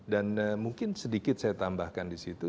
dan mungkin sedikit saya tambahkan di situ